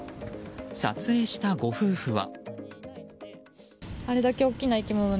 撮影したご夫婦は。